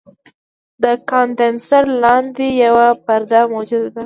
د کاندنسر لاندې یوه پرده موجوده ده.